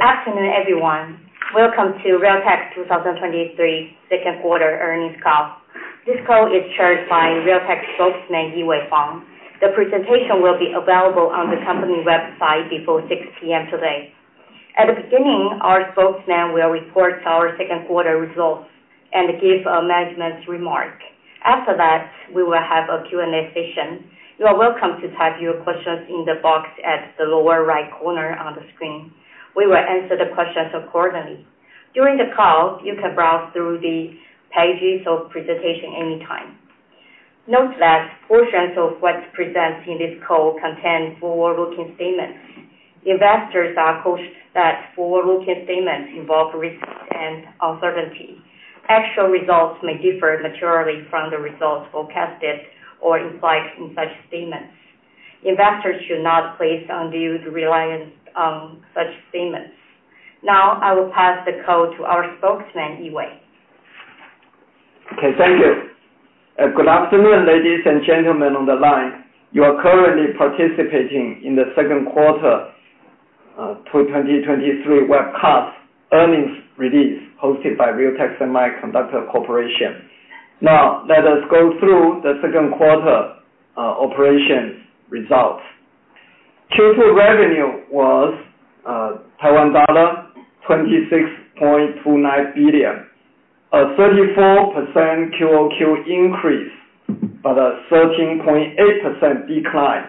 Good afternoon, everyone. Welcome to Realtek 2023 second quarter earnings call. This call is chaired by Realtek spokesman, Yee-Wei Huang. The presentation will be available on the company website before 6:00 P.M. today. At the beginning, our spokesman will report our second quarter results and give a management's remark. After that, we will have a Q&A session. You are welcome to type your questions in the box at the lower right corner on the screen. We will answer the questions accordingly. During the call, you can browse through the pages of presentation anytime. Note that portions of what's presented in this call contain forward-looking statements. Investors are cautioned that forward-looking statements involve risks and uncertainty. Actual results may differ materially from the results forecasted or implied in such statements. Investors should not place undue reliance on such statements. Now, I will pass the call to our spokesman, Yee-Wei. Okay, thank you. Good afternoon, ladies and gentlemen on the line. You are currently participating in the second quarter, 2023 webcast earnings release, hosted by Realtek Semiconductor Corporation. Let us go through the second quarter, operations results. Q2 revenue was NTD 26.29 billion, a 34% QoQ increase, but a 13.8% decline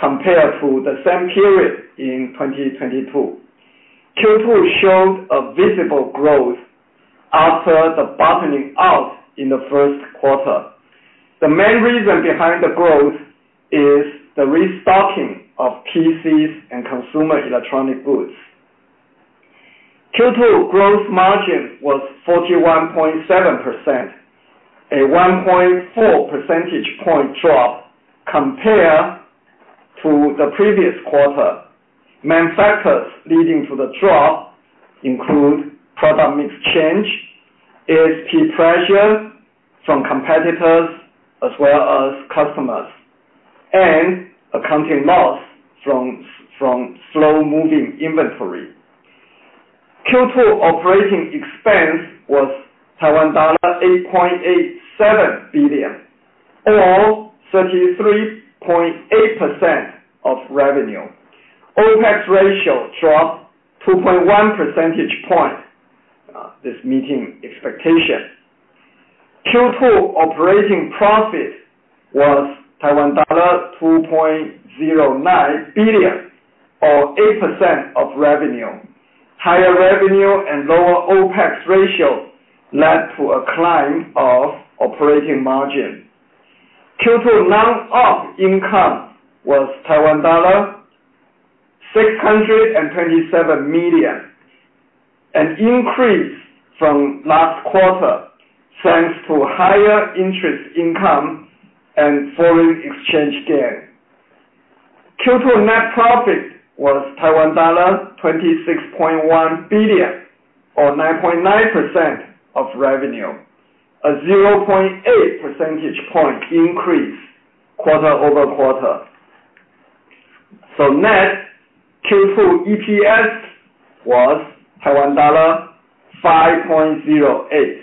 compared to the same period in 2022. Q2 showed a visible growth after the bottoming out in the first quarter. The main reason behind the growth is the restocking of PCs and consumer electronic goods. Q2 growth margin was 41.7%, a 1.4 percentage point drop compared to the previous quarter. Main factors leading to the drop include product mix change, ASP pressure from competitors, as well as customers, and accounting loss from slow-moving inventory. Q2 operating expense was NTD 8.87 billion, or 33.8% of revenue. OPEX ratio dropped 2.1 percentage point, this meeting expectation. Q2 operating profit was NTD 2.09 billion, or 8% of revenue. Higher revenue and lower OPEX ratio led to a climb of operating margin. Q2 non-op income was NTD 627 million, an increase from last quarter, thanks to higher interest income and foreign exchange gain. Q2 net profit was NTD 26.1 billion, or 9.9% of revenue, a 0.8 percentage point increase quarter-over-quarter. Net Q2 EPS was NTD 5.08.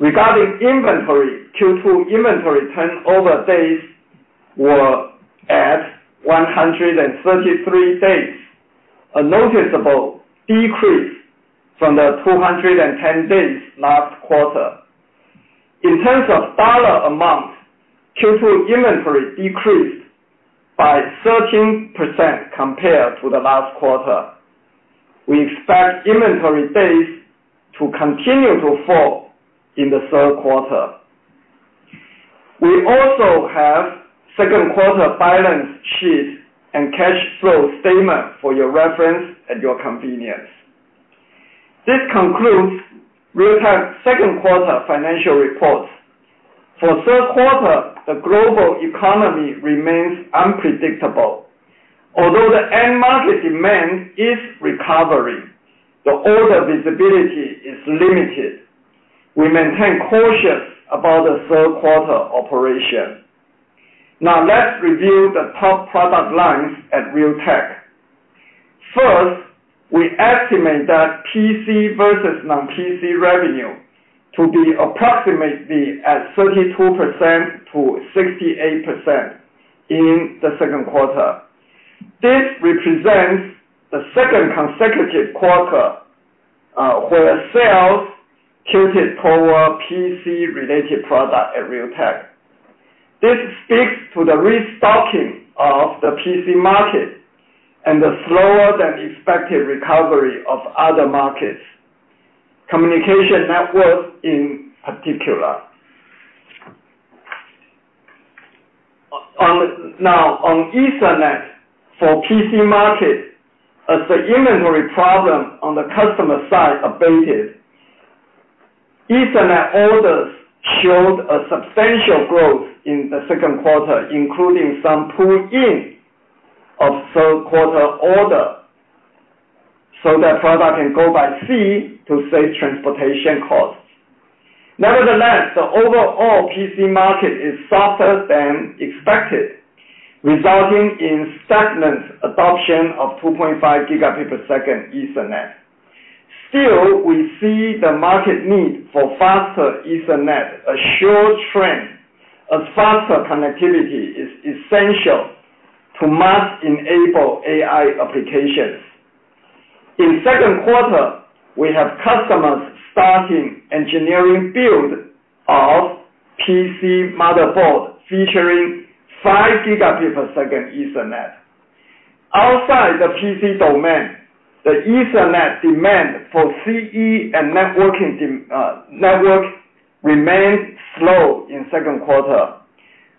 Regarding inventory, Q2 inventory turnover days were at 133 days, a noticeable decrease from the 210 days last quarter. In terms of $ amount, Q2 inventory decreased by 13% compared to the last quarter. We expect inventory days to continue to fall in the third quarter. We also have second quarter balance sheet and cash flow statement for your reference at your convenience. This concludes Realtek's second quarter financial report. For third quarter, the global economy remains unpredictable. Although the end market demand is recovering, the order visibility is limited. We maintain cautious about the third quarter operation. Now, let's review the top product lines at Realtek. First, we estimate that PC vs. non-PC revenue to be approximately at 32%-68% in the second quarter. This represents the second consecutive quarter where sales tilted toward PC-related product at Realtek. This speaks to the restocking of the PC market and the slower than expected recovery of other markets, communication networks in particular. Now, on Ethernet for PC market, as the inventory problem on the customer side abated, Ethernet orders showed a substantial growth in the second quarter, including some pull-in of third quarter order, so that product can go by sea to save transportation cost. Nevertheless, the overall PC market is softer than expected, resulting in stagnant adoption of 2.5 Gb Ethernet. Still, we see the market need for faster Ethernet, a sure trend, as faster connectivity is essential to mass-enable AI applications. In second quarter, we have customers starting engineering build of PC motherboard featuring 5 Gb Ethernet. Outside the PC domain, the Ethernet demand for CE and networking network remained slow in second quarter.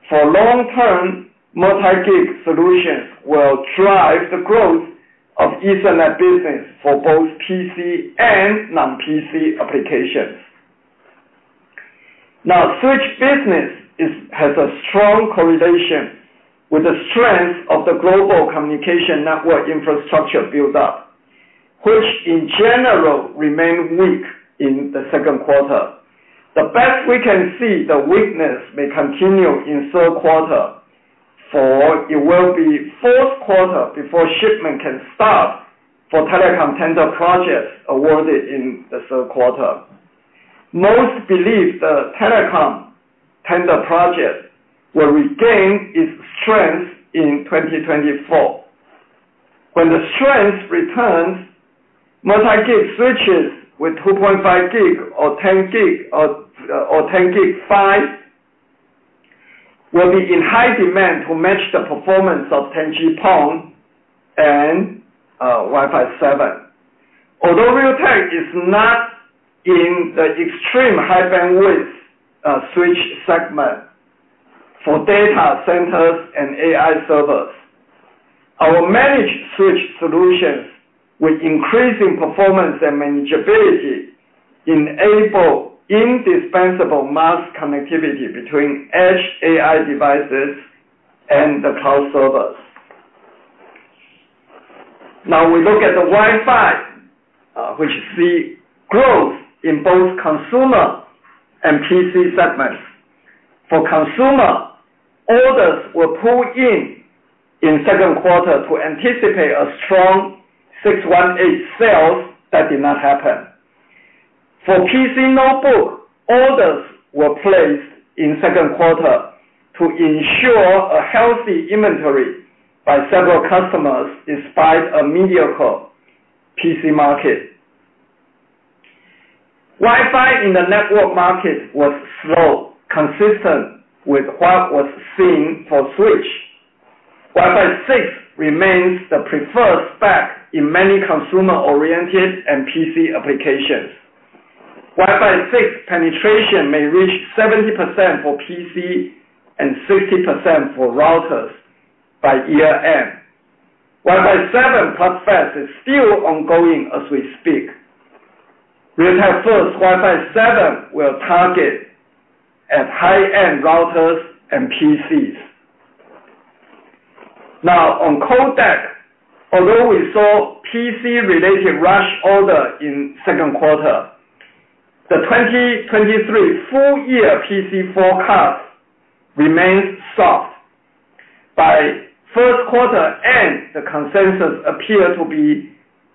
For long term, Multi-Gb solutions will drive the growth of Ethernet business for both PC and non-PC applications. Now, switch business is, has a strong correlation with the strength of the global communication network infrastructure build up, which in general, remained weak in the second quarter. The best we can see, the weakness may continue in third quarter, for it will be fourth quarter before shipment can start for telecom tender projects awarded in the third quarter. Most believe the telecom tender project will regain its strength in 2024. When the strength returns, Multi-Gb switches with 2.5 Gb or 10 Gb, or 10 Gb PHY will be in high demand to match the performance of 10G-PON and Wi-Fi 7. Although Realtek is not in the extreme high bandwidth switch segment for data centers and AI servers, our managed switch solutions, with increasing performance and manageability, enable indispensable mass connectivity between edge AI devices and the cloud servers. We look at the Wi-Fi, which see growth in both consumer and PC segments. For consumer, orders were pulled in, in second quarter to anticipate a strong 618 sales. That did not happen. For PC notebook, orders were placed in second quarter to ensure a healthy inventory by several customers, despite a mediocre PC market. Wi-Fi in the network market was slow, consistent with what was seen for switch. Wi-Fi 6 remains the preferred spec in many consumer-oriented and PC applications. Wi-Fi 6 penetration may reach 70% for PC and 60% for routers by year end. Wi-Fi 7 process is still ongoing as we speak. Realtek first Wi-Fi 7 will target at high-end routers and PCs. On codec, although we saw PC-related rush order in second quarter, the 2023 full year PC forecast remains soft. By first quarter end, the consensus appeared to be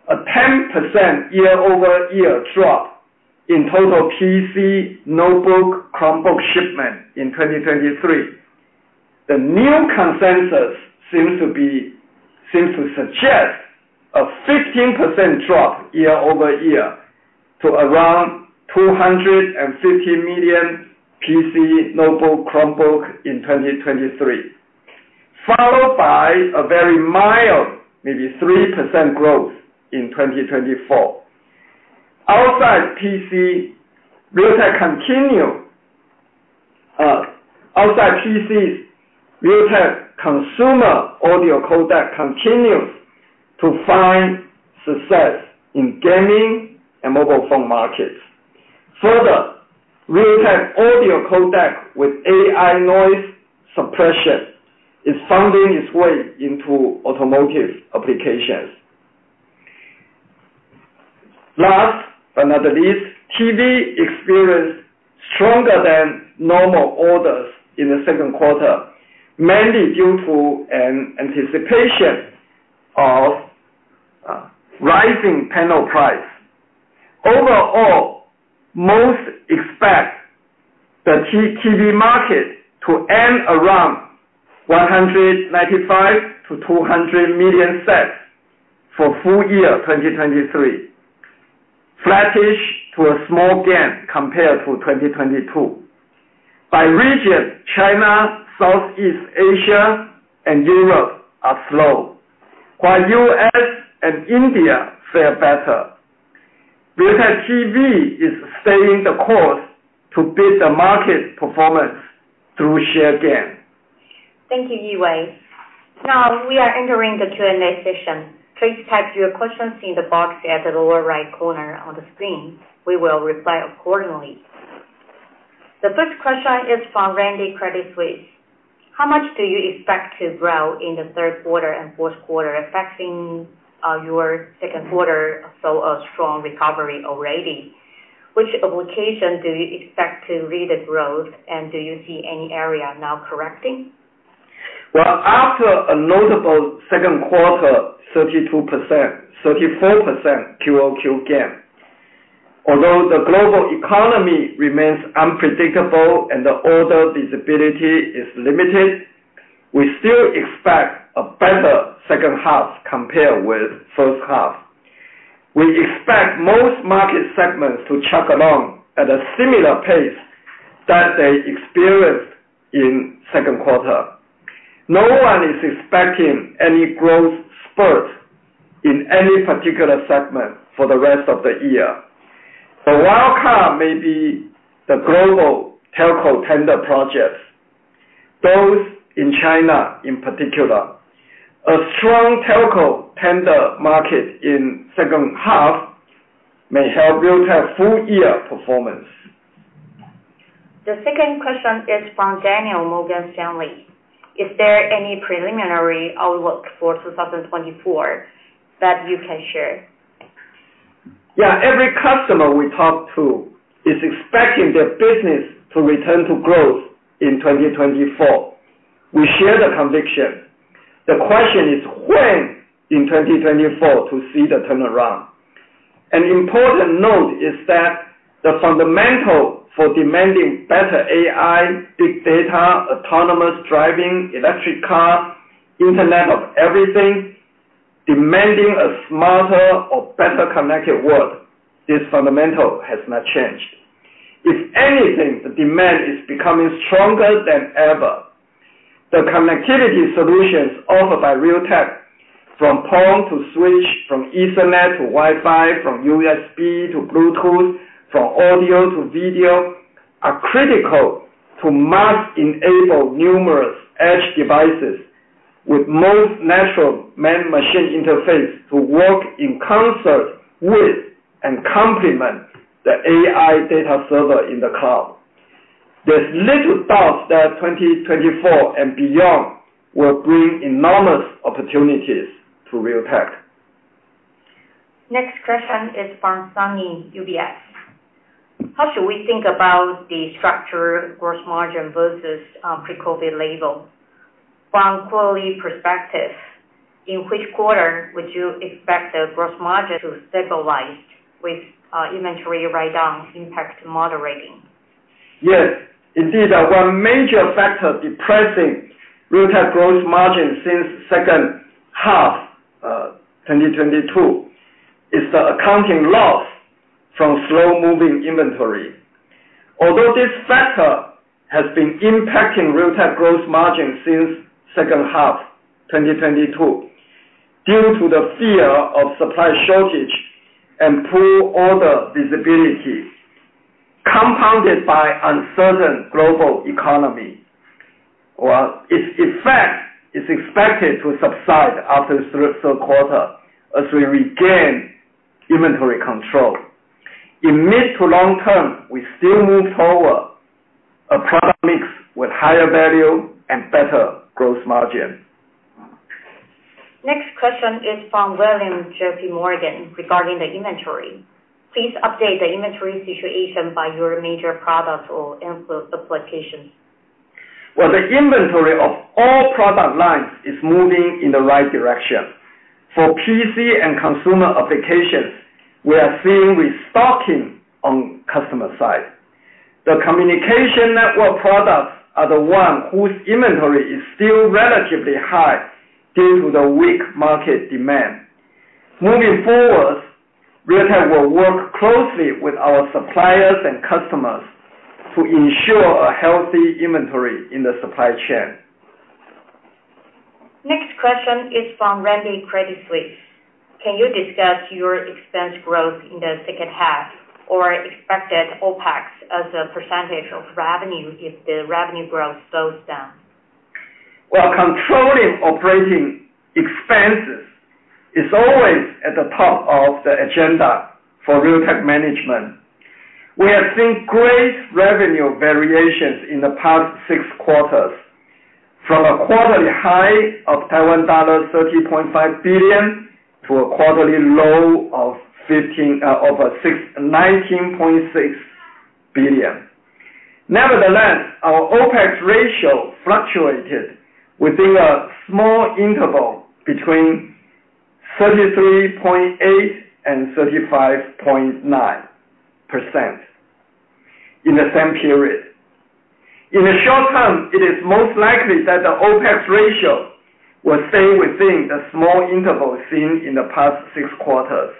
a 10% year-over-year drop in total PC, notebook, Chromebook shipment in 2023. The new consensus seems to suggest a 15% drop year-over-year to around 250 million PC, notebook, Chromebook in 2023, followed by a very mild, maybe 3% growth in 2024. Outside PC, Realtek continue outside PCs, Realtek consumer audio codec continues to find success in gaming and mobile phone markets. Further, Realtek audio codec with AI noise suppression is finding its way into automotive applications. Last but not the least, TV experienced stronger than normal orders in the second quarter, mainly due to an anticipation of rising panel price. Overall, most expect the TV market to end around 195 million-200 million sets for full year 2023, flattish to a small gain compared to 2022. By region, China, Southeast Asia, and Europe are slow, while U.S. and India fare better. Realtek TV is staying the course to beat the market performance through share gain. Thank you, Yee-Wei. We are entering the Q&A session. Please type your questions in the box at the lower right corner on the screen. We will reply accordingly. The first question is from Randy, Credit Suisse. How much do you expect to grow in the third quarter and fourth quarter, affecting your second quarter? A strong recovery already. Which application do you expect to lead the growth, and do you see any area now correcting? Well, after a notable second quarter, 32%, 34% QoQ gain. Although the global economy remains unpredictable and the order visibility is limited, we still expect a better second half compared with first half. We expect most market segments to chug along at a similar pace that they experienced in second quarter. No one is expecting any growth spurt in any particular segment for the rest of the year. The wild card may be the global telco tender projects, both in China in particular. A strong telco tender market in second half may help Realtek full year performance. The second question is from Daniel, Morgan Stanley. Is there any preliminary outlook for 2024 that you can share? Yeah. Every customer we talk to is expecting their business to return to growth in 2024. We share the conviction. The question is, when in 2024 to see the turnaround? An important note is that the fundamental for demanding better AI, big data, autonomous driving, electric cars, Internet of everything, demanding a smarter or better connected world, this fundamental has not changed. If anything, the demand is becoming stronger than ever. The connectivity solutions offered by Realtek, from port to switch, from Ethernet to Wi-Fi, from USB to Bluetooth, from audio to video, are critical to mass enable numerous edge devices with most natural man machine interface to work in concert with and complement the AI data server in the cloud. There's little doubt that 2024 and beyond will bring enormous opportunities to Realtek. Next question is from Sunny, UBS. How should we think about the structure gross margin versus, pre-COVID label? From quality perspective, in which quarter would you expect the gross margin to stabilize with, inventory write-down impact moderating? Yes, indeed. One major factor depressing Realtek growth margin since second half 2022, is the accounting loss from slow-moving inventory. Although this factor has been impacting Realtek growth margin since second half 2022, due to the fear of supply shortage and poor order visibility, compounded by uncertain global economy, well, its effect is expected to subside after third quarter as we regain inventory control. In mid to long term, we still move toward a product mix with higher value and better growth margin. Next question is from William, JP Morgan, regarding the inventory. Please update the inventory situation by your major products or end applications. Well, the inventory of all product lines is moving in the right direction. For PC and consumer applications, we are seeing restocking on customer side. The communication network products are the one whose inventory is still relatively high due to the weak market demand. Moving forward, Realtek will work closely with our suppliers and customers to ensure a healthy inventory in the supply chain. Next question is from Randy, Credit Suisse. Can you discuss your expense growth in the second half or expected OpEx as a % of revenue, if the revenue growth slows down? Well, controlling operating expenses is always at the top of the agenda for Realtek management. We have seen great revenue variations in the past 6 quarters, from a quarterly high of NTD 30.5 billion, to a quarterly low of NTD 19.6 billion. Nevertheless, our OpEx ratio fluctuated within a small interval between 33.8%-35.9% in the same period. In the short term, it is most likely that the OpEx ratio will stay within the small interval seen in the past 6 quarters.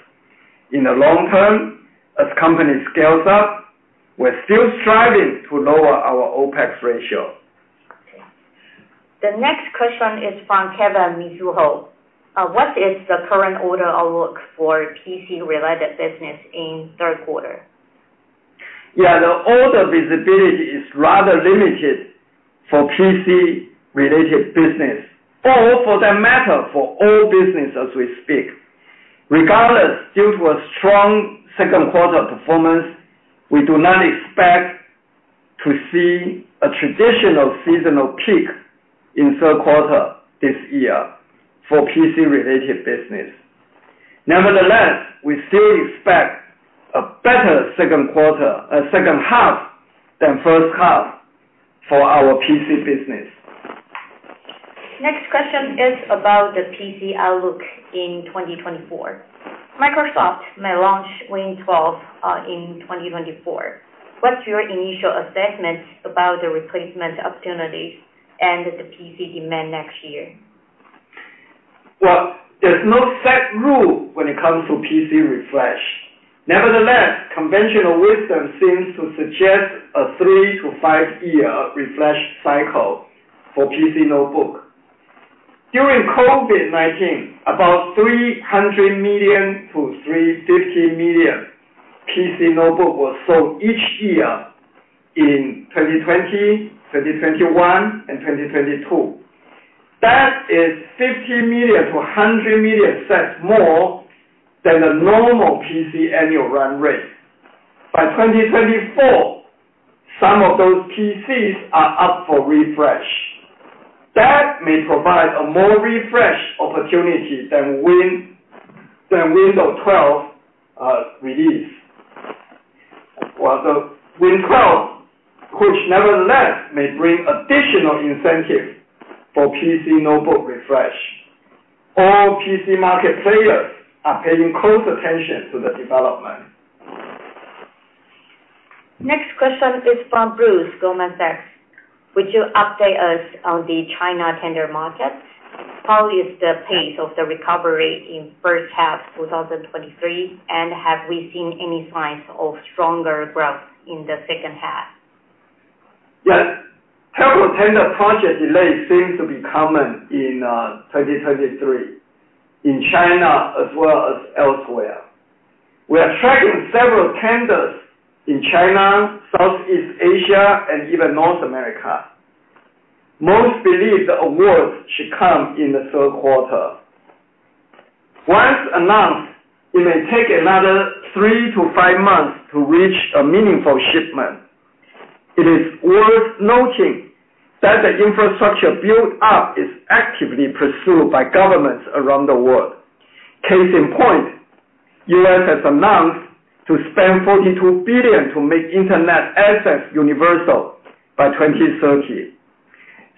In the long term, as company scales up, we're still striving to lower our OpEx ratio. The next question is from Kevin, Mizuho. What is the current order outlook for PC-related business in third quarter? Yeah, the order visibility is rather limited for PC-related business, or for that matter, for all business as we speak. Regardless, due to a strong second quarter performance, we do not expect to see a traditional seasonal peak in third quarter this year for PC-related business. Nevertheless, we still expect a better second quarter, second half than first half for our PC business. Next question is about the PC outlook in 2024. Microsoft may launch Win 12 in 2024. What's your initial assessment about the replacement opportunities and the PC demand next year? Well, there's no set rule when it comes to PC refresh. Nevertheless, conventional wisdom seems to suggest a 3-to-5-year refresh cycle for PC notebook. During COVID-19, about 300 million to 350 million PC notebook was sold each year in 2020, 2021, and 2022. That is 50 million to 100 million sets more than the normal PC annual run rate. By 2024, some of those PCs are up for refresh. That may provide a more refresh opportunity than Win, than Windows 12 release. Well, the Win 12, which nevertheless may bring additional incentive for PC notebook refresh. All PC market players are paying close attention to the development. Next question is from Bruce, Goldman Sachs. Would you update us on the China tender market? How is the pace of the recovery in first half 2023, and have we seen any signs of stronger growth in the second half? Yes. Telco tender project delays seems to be common in 2023, in China as well as elsewhere. We are tracking several tenders in China, Southeast Asia, and even North America. Most believe the awards should come in the third quarter. Once announced, it may take another 3-5 months to reach a meaningful shipment. It is worth noting that the infrastructure build-up is actively pursued by governments around the world. Case in point, U.S. has announced to spend $42 billion to make internet access universal by 2030.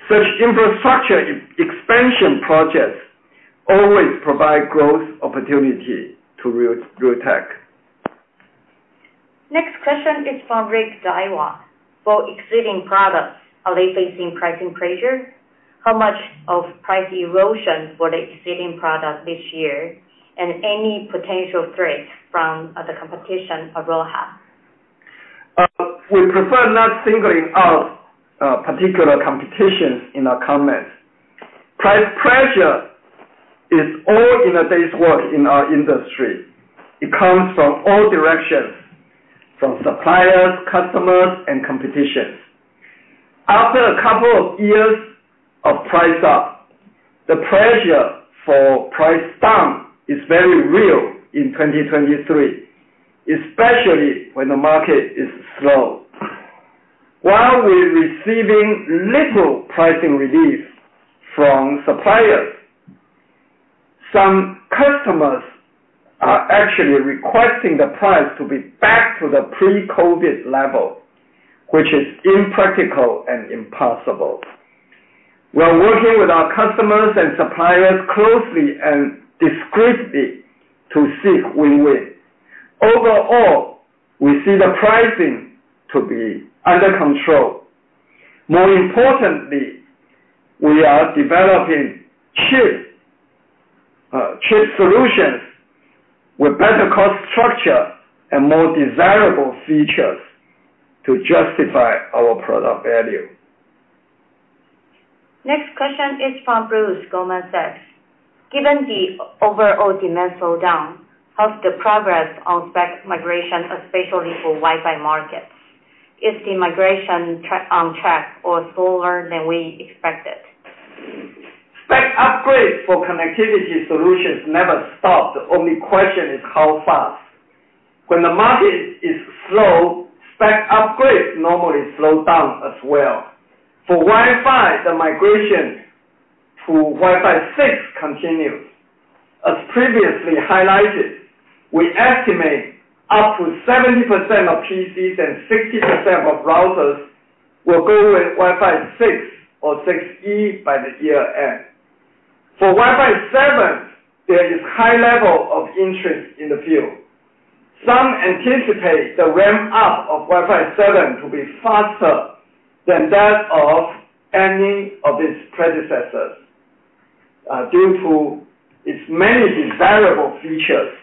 Such infrastructure expansion projects always provide growth opportunity to Realtek. Next question is from Rick Daiwa. For existing products, are they facing pricing pressure? How much of price erosion for the existing product this year, and any potential threats from the competition of ROHM? We prefer not singling out particular competitions in our comments. Price pressure is all in a day's work in our industry. It comes from all directions, from suppliers, customers, and competitions. After a couple of years of price up, the pressure for price down is very real in 2023, especially when the market is slow. While we're receiving little pricing relief from suppliers, some customers are actually requesting the price to be back to the pre-COVID level, which is impractical and impossible. We are working with our customers and suppliers closely and discreetly to seek win-win. Overall, we see the pricing to be under control. More importantly, we are developing cheap solutions with better cost structure and more desirable features to justify our product value. Next question is from Bruce, Goldman Sachs. Given the overall demand slowdown, how's the progress on spec migration, especially for Wi-Fi markets? Is the migration on track or slower than we expected? Spec upgrades for connectivity solutions never stop. The only question is how fast. When the market is slow, spec upgrades normally slow down as well. For Wi-Fi, the migration to Wi-Fi 6 continues. As previously highlighted, we estimate up to 70% of PCs and 60% of routers will go with Wi-Fi 6 or 6E by the year end. For Wi-Fi 7, there is high level of interest in the field. Some anticipate the ramp-up of Wi-Fi 7 to be faster than that of any of its predecessors due to its many desirable features.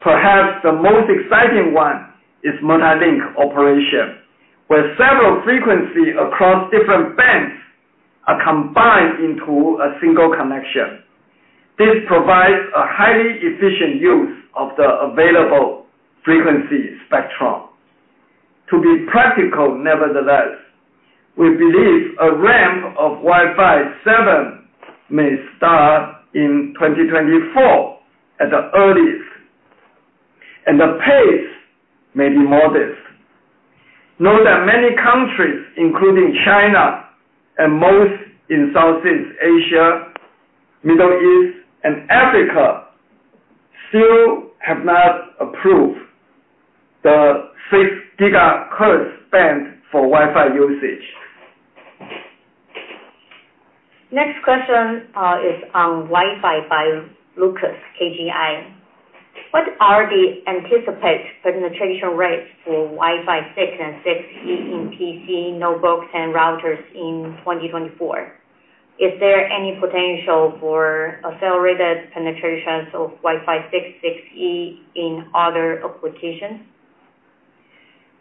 Perhaps the most exciting one is Multi-Link Operation, where several frequency across different bands are combined into a single connection. This provides a highly efficient use of the available frequency spectrum. Be practical, nevertheless. We believe a ramp of Wi-Fi 7 may start in 2024 at the earliest, and the pace may be modest. Note that many countries, including China and most in Southeast Asia, Middle East, and Africa, still have not approved the 6 GHz band for Wi-Fi usage. Next question is on Wi-Fi by Lucas, KGI. What are the anticipated penetration rates for Wi-Fi 6 and Wi-Fi 6E in PC, notebooks, and routers in 2024? Is there any potential for accelerated penetrations of Wi-Fi 6, Wi-Fi 6E in other applications?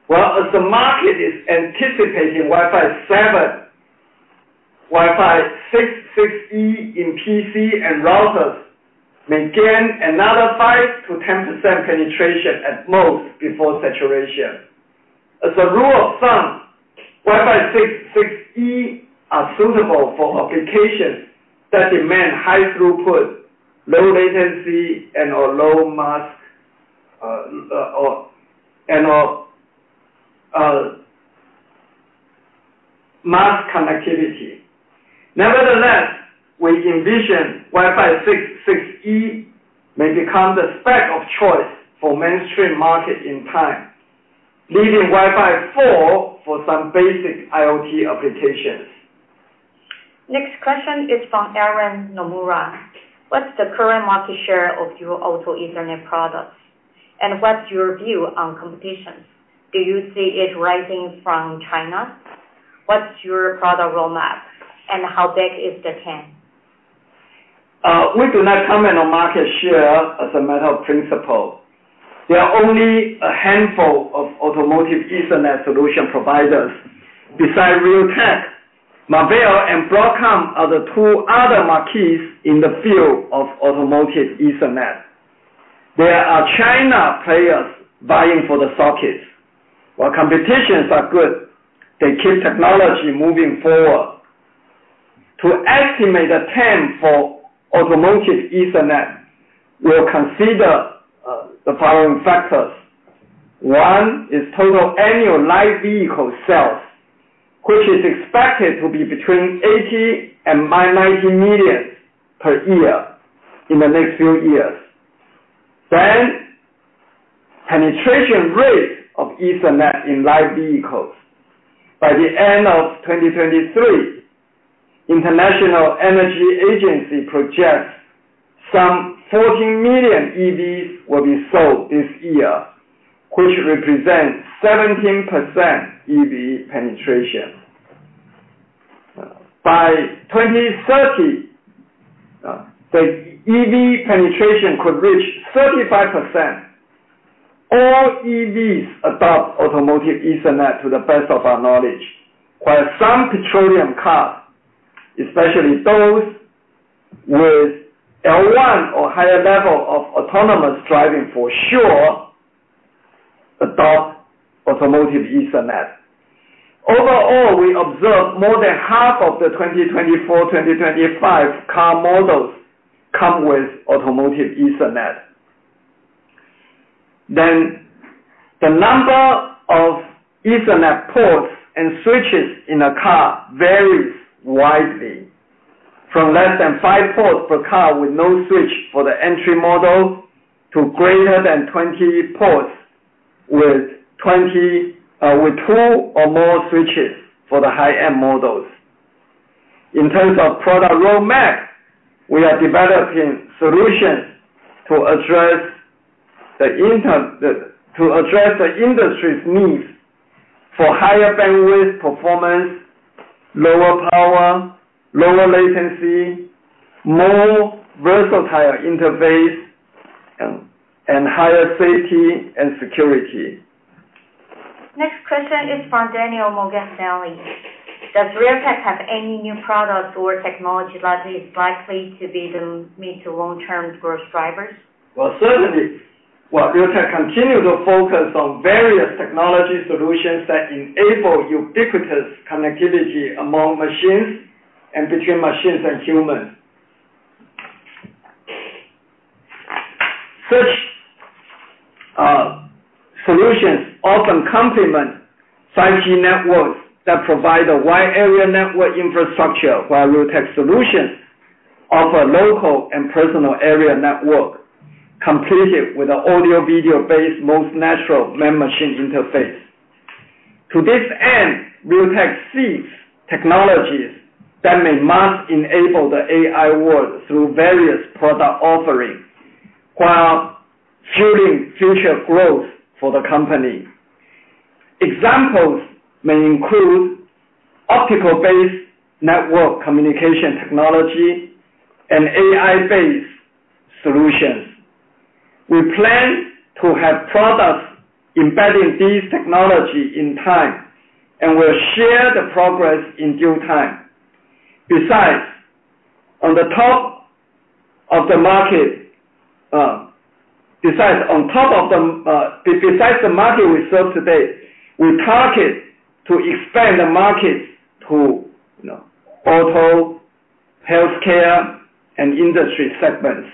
As the market is anticipating Wi-Fi 7, Wi-Fi 6, 6E in PC and routers may gain another 5%-10% penetration at most before saturation. As a rule of thumb, Wi-Fi 6, 6E are suitable for applications that demand high throughput, low latency, and/or low mask, or, and, or, mass connectivity. Nevertheless, we envision Wi-Fi 6, 6E may become the spec of choice for mainstream market in time, leaving Wi-Fi 4 for some basic IoT applications. Next question is from Aaron Nomura. What's the current market share of your auto Ethernet products, and what's your view on competitions? Do you see it rising from China? What's your product roadmap, and how big is the TAM? We do not comment on market share as a matter of principle. There are only a handful of automotive Ethernet solution providers. Besides Realtek, Marvell and Broadcom are the two other marquees in the field of automotive Ethernet. There are China players vying for the sockets. While competitions are good, they keep technology moving forward. To estimate the TAM for automotive Ethernet, we'll consider the following factors. One is total annual light vehicle sales, which is expected to be between 80 million and 90 million per year in the next few years. Penetration rate of Ethernet in light vehicles. By the end of 2023, International Energy Agency projects some 14 million EVs will be sold this year, which represents 17% EV penetration. By 2030, the EV penetration could reach 35%. All EVs adopt automotive Ethernet, to the best of our knowledge, while some petroleum cars, especially those with L1 or higher level of autonomous driving for sure, adopt automotive Ethernet. Overall, we observe more than half of the 2024, 2025 car models come with automotive Ethernet. The number of Ethernet ports and switches in a car varies widely, from less than 5 ports per car with no switch for the entry model, to greater than 20 ports with 20, with 2 or more switches for the high-end models. In terms of product roadmap, we are developing solutions to address the industry's needs for higher bandwidth performance, lower power, lower latency, more versatile interface, and, and higher safety and security. Next question is from Daniel, Morgan Stanley. Does Realtek have any new products or technology that is likely to be mid to long-term growth drivers? Well, certainly. Well, Realtek continue to focus on various technology solutions that enable ubiquitous connectivity among machines and between machines and humans. Such solutions often complement 5G networks that provide a wide area network infrastructure, while Realtek solutions offer local and personal area network, completed with an audio-video based, most natural man-machine interface. To this end, Realtek seeks technologies that may mass-enable the AI world through various product offerings, while fueling future growth for the company. Examples may include optical-based network communication technology and AI-based solutions. We plan to have products embedding these technology in time, and we'll share the progress in due time. Besides, on top of the market, besides on top of the, besides the market we serve today, we target to expand the market to, you know, auto, healthcare, and industry segments.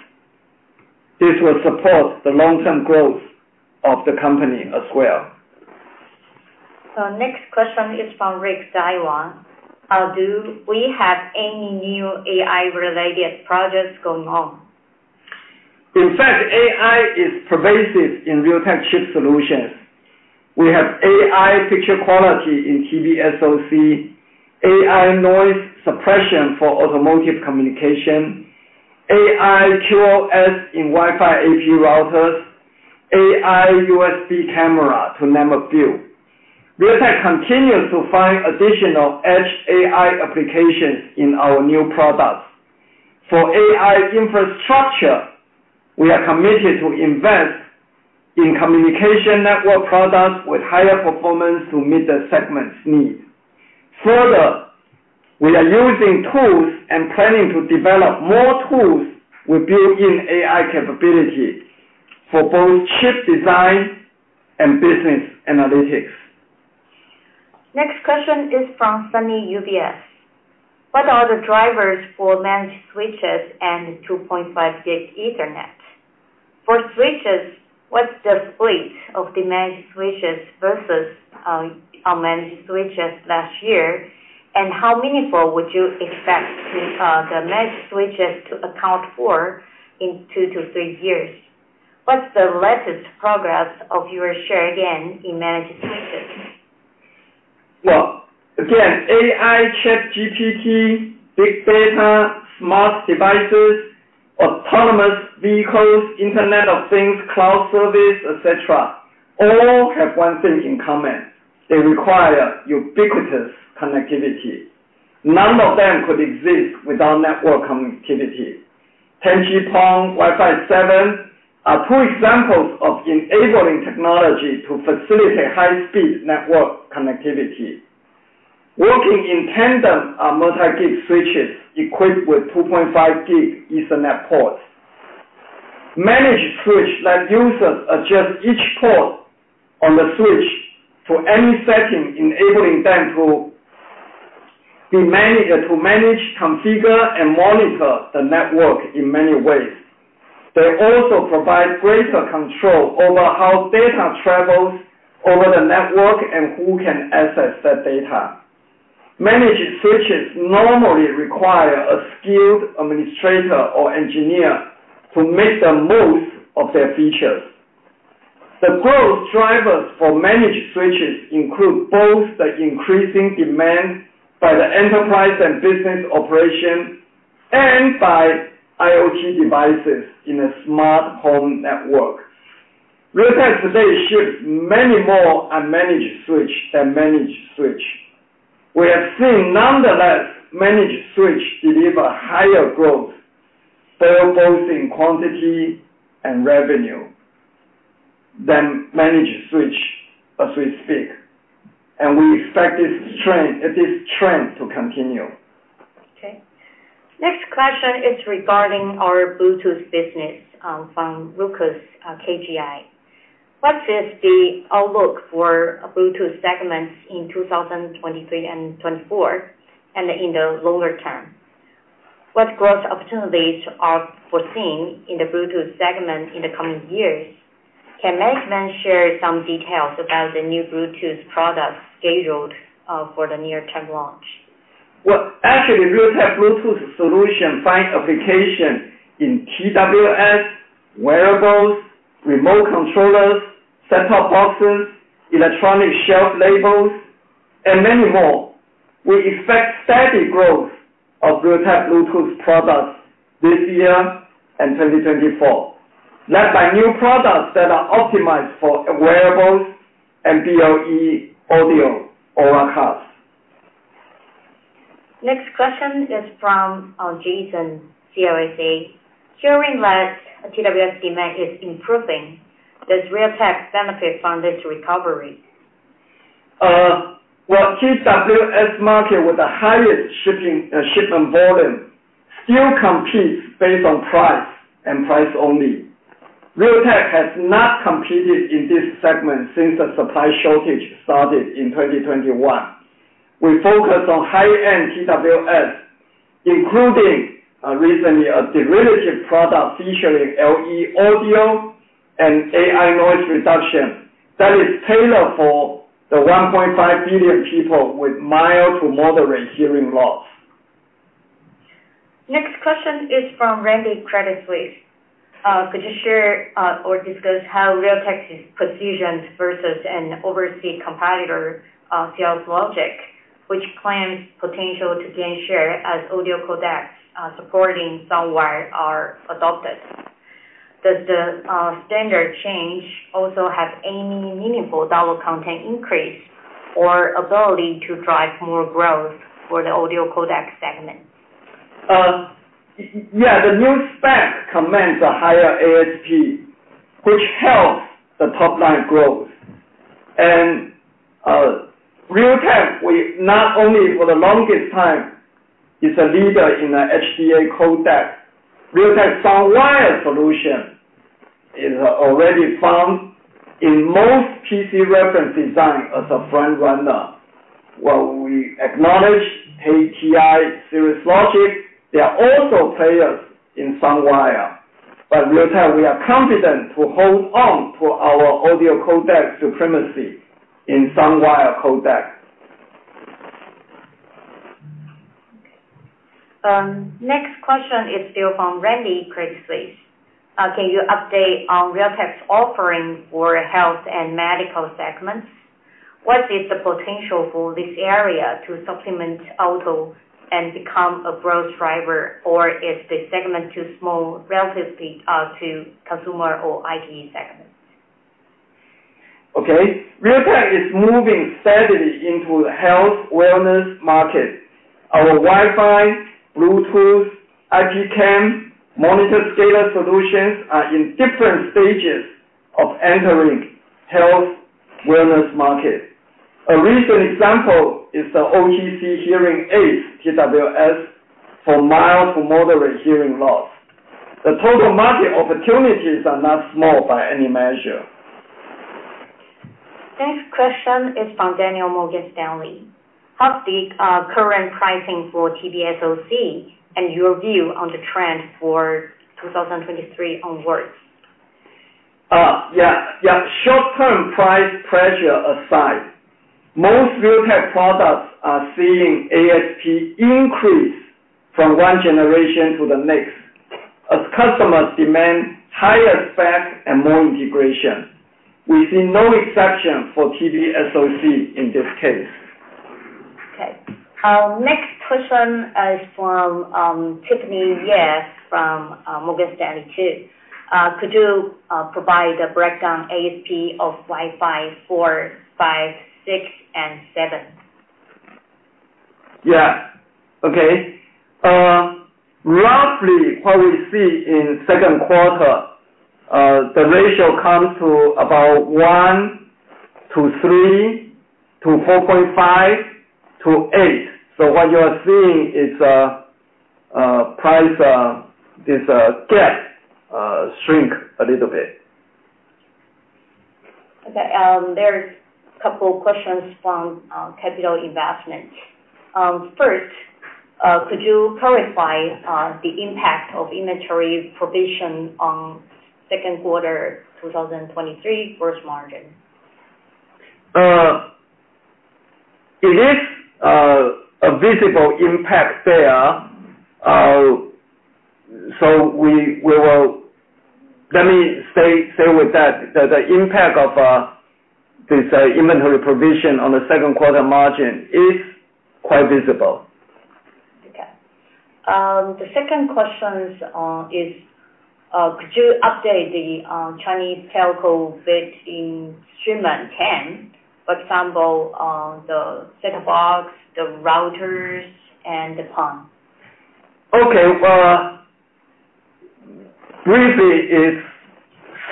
This will support the long-term growth of the company as well. Next question is from Rick, Daiwa. Do we have any new AI-related projects going on? In fact, AI is pervasive in Realtek chip solutions. We have AI picture quality in TV SoC, AI noise suppression for automotive communication, AI QoS in Wi-Fi AP routers, AI USB camera, to name a few. Realtek continues to find additional edge AI applications in our new products. For AI infrastructure, we are committed to invest in communication network products with higher performance to meet the segment's needs. Further, we are using tools and planning to develop more tools with built-in AI capability for both chip design and business analytics. Next question is from Sunny, UBS. What are the drivers for managed switches and 2.5 Gb Ethernet? For switches, what's the split of the managed switches versus unmanaged switches last year, and how meaningful would you expect the managed switches to account for in 2-3 years? What's the latest progress of your share gain in managed switches? Again, AI, ChatGPT, big data, smart devices, autonomous vehicles, Internet of Things, cloud service, et cetera, all have one thing in common: they require ubiquitous connectivity. None of them could exist without network connectivity. 10G-PON, Wi-Fi 7 are two examples of enabling technology to facilitate high-speed network connectivity. Working in tandem are Multi-Gb switches equipped with 2.5 Gb Ethernet ports. Managed switch let users adjust each port on the switch to any setting, enabling them to be managed, to manage, configure, and monitor the network in many ways. They also provide greater control over how data travels over the network and who can access that data. Managed switches normally require a skilled administrator or engineer to make the most of their features. The growth drivers for managed switches include both the increasing demand by the enterprise and business operation, and by IoT devices in a smart home network. Realtek today ships many more unmanaged switch than managed switch. We have seen, nonetheless, managed switch deliver higher growth, both in quantity and revenue than managed switch as we speak. We expect this trend to continue. Okay. Next question is regarding our Bluetooth business, from Lucas, KGI. What is the outlook for Bluetooth segments in 2023 and 2024, and in the longer term? What growth opportunities are foreseen in the Bluetooth segment in the coming years? Can management share some details about the new Bluetooth products scheduled for the near-term launch? Well, actually, Realtek Bluetooth solution finds application in TWS, wearables, remote controllers, set-top boxes, electronic shelf labels, and many more. We expect steady growth of Realtek Bluetooth products this year and 2024, led by new products that are optimized for wearables and BLE audio Auracast. Next question is from Jason, CLSA. Hearing that TWS demand is improving, does Realtek benefit from this recovery? Well, TWS market, with the highest shipping, shipment volume, still competes based on price and price only. Realtek has not competed in this segment since the supply shortage started in 2021. We focus on high-end TWS, including, recently, a derivative product featuring LE Audio and AI noise reduction that is tailored for the 1.5 billion people with mild to moderate hearing loss. Next question is from Randy, Credit Suisse. could you share or discuss how Realtek's positions versus an overseas competitor, Cirrus Logic, which plans potential to gain share as audio codecs, supporting SoundWire, are adopted? Does the standard change also have any meaningful dollar content increase or ability to drive more growth for the audio codec segment? Yeah, the new spec commands a higher ASP, which helps the top-line growth. Realtek, we not only for the longest time, is a leader in the HD Audio codec. Realtek SoundWire solution is already found in most PC reference design as a front runner. While we acknowledge ATI Series logic, they are also players in SoundWire. Realtek, we are confident to hold on to our audio codec supremacy in SoundWire codec. Next question is still from Randy, Credit Suisse. Can you update on Realtek's offering for health and medical segments? What is the potential for this area to supplement auto and become a growth driver, or is the segment too small relatively, to consumer or IT segment? Okay. Realtek is moving steadily into the health wellness market. Our Wi-Fi, Bluetooth, IP cam, monitor scaler solutions are in different stages of entering health wellness market. A recent example is the OTC hearing aid, TWS, for mild to moderate hearing loss. The total market opportunities are not small by any measure. Next question is from Daniel, Morgan Stanley. How's the current pricing for TV SoC, and your view on the trend for 2023 onwards? Yeah, yeah. Short-term price pressure aside, most Realtek products are seeing ASP increase from one generation to the next. As customers demand higher specs and more integration, we see no exception for TV SoC in this case. Okay. Our next question is from Tiffany Yeh, from Morgan Stanley, too. Could you provide a breakdown ASP of Wi-Fi 4, 5, 6, and 7? Yeah. Okay. Roughly what we see in second quarter, the ratio comes to about 1 to 3, to 4.5, to 8. What you are seeing is price, this gap, shrink a little bit. Okay, there's a couple questions from Capital Investments. First, could you clarify the impact of inventory provision on second quarter 2023 gross margin? It is a visible impact there. Let me stay, stay with that, that the impact of this inventory provision on the second quarter margin is quite visible. Okay. The second questions is, could you update the Chinese telco bit in streaming trend, for example, on the set-top box, the routers, and the PON? Okay. Well, briefly, it's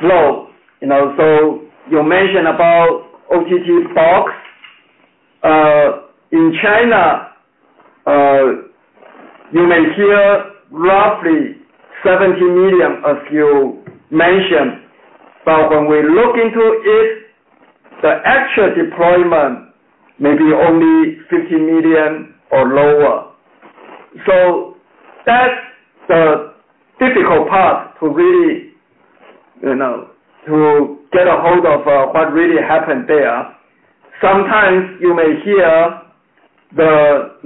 slow, you know. You mentioned about OTT box. In China, you may hear roughly 70 million, as you mentioned, but when we look into it, the actual deployment may be only 50 million or lower. That's the difficult part to really, you know, to get a hold of what really happened there. Sometimes you may hear the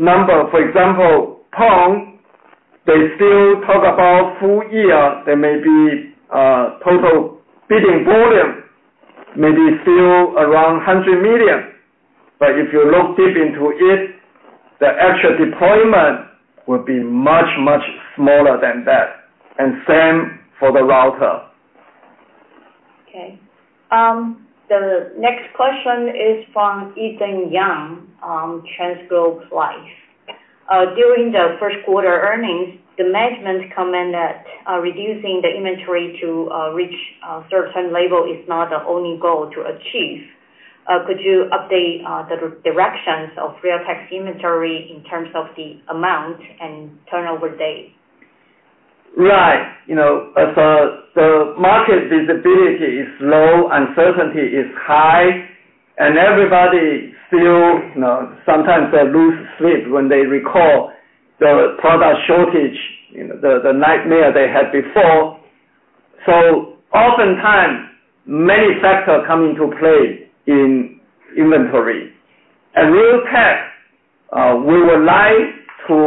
number, for example, PON, they still talk about full year. There may be total bidding volume, maybe still around 100 million, but if you look deep into it, the actual deployment will be much, much smaller than that, and same for the router. Okay. The next question is from Ethan Young, TransGlobe Life. During the first quarter earnings, the management commented that reducing the inventory to reach a certain level is not the only goal to achieve. Could you update the directions of Realtek's inventory in terms of the amount and turnover date? Right. You know, as the, the market visibility is low, uncertainty is high, and everybody still, you know, sometimes they lose sleep when they recall the product shortage, you know, the, the nightmare they had before. Oftentimes, many factors come into play in inventory. At Realtek, we would like to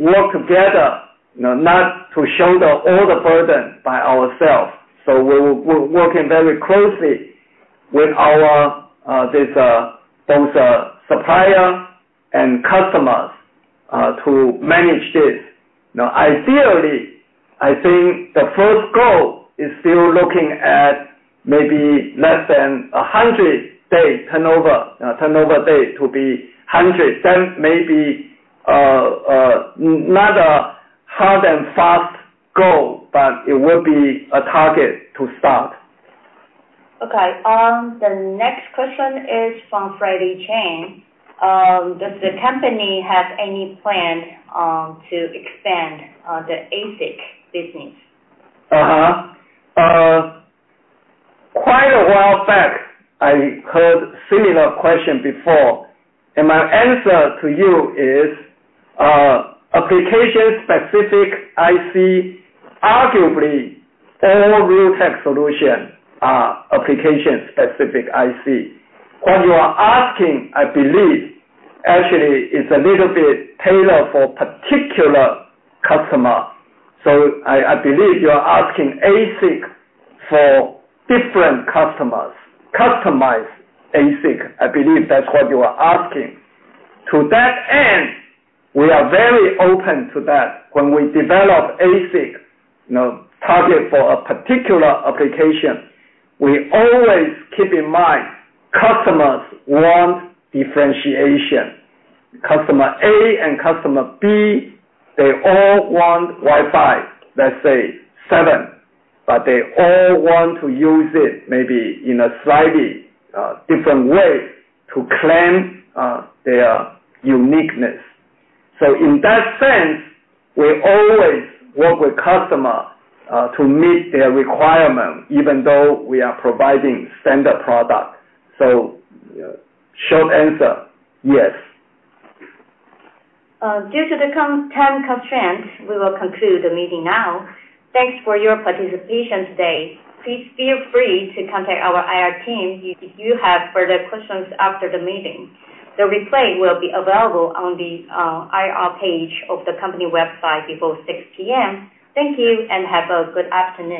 work together, you know, not to shoulder all the burden by ourselves. We're, we're working very closely with our, this, both, supplier and customers, to manage this. Now, ideally, I think the first goal is still looking at maybe less than a 100-day turnover, turnover date to be 100, not a hard and fast goal, but it will be a target to start. Okay. The next question is from Freddy Chain. Does the company have any plan to expand the ASIC business? Quite a while back, I heard similar question before, my answer to you is application-specific IC, arguably, all Realtek solution are application-specific IC. What you are asking, I believe, actually is a little bit tailored for particular customer. I, I believe you are asking ASIC for different customers, customized ASIC, I believe that's what you are asking. To that end, we are very open to that. When we develop ASIC, you know, target for a particular application, we always keep in mind, customers want differentiation. Customer A and customer B, they all want Wi-Fi 7, let's say, but they all want to use it maybe in a slightly different way to claim their uniqueness. In that sense, we always work with customer to meet their requirement, even though we are providing standard product. Short answer, yes. Due to the time constraints, we will conclude the meeting now. Thanks for your participation today. Please feel free to contact our IR team if you have further questions after the meeting. The replay will be available on the IR page of the company website before 6:00 P.M. Thank you. Have a good afternoon.